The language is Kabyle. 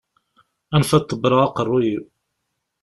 Anef ad ḍebbreɣ aqerru-iw.